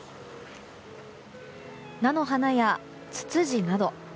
菜の花やツツジなど